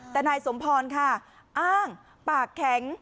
แต่นายสมพรค่ะอ้างปากแข็ง